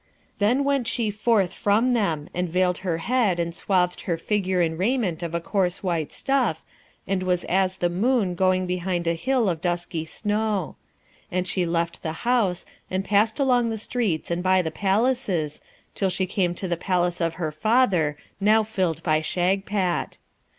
Then went she forth from them, and veiled her head and swathed her figure in raiment of a coarse white stuff, and was as the moon going behind a hill of dusky snow; and she left the house, and passed along the streets and by the palaces, till she came to the palace of her father, now filled by Shagpat.